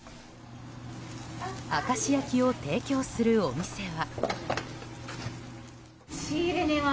明石焼を提供するお店は。